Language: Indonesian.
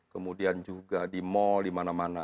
kemudian juga di mal di mana mana